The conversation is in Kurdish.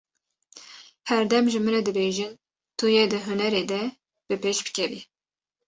Her dem ji min re dibêjin tu yê di hunerê de, bi pêş bikevî.